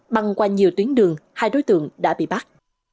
băng qua nhiều tuyến đường hai đối tượng đã bị bắt